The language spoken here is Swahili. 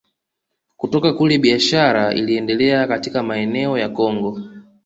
Kutoka kule biashara iliendelea katika maeneo ya Kongo